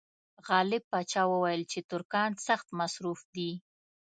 غالب پاشا وویل چې ترکان سخت مصروف دي.